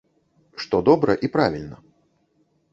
Што добра і правільна.